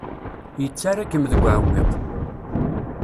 Yettarra-kem deg uɛewwiq.